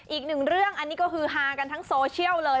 อีกหนึ่งเรื่องอันนี้ก็คือฮากันทั้งโซเชียลเลย